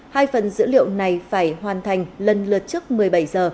hai phần dữ liệu này phải hoàn thành lần lượt trước một mươi bảy giờ